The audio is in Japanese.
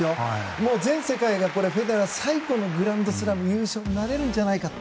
もう、全世界がフェデラー最後のグランドスラム優勝になれるんじゃないかと。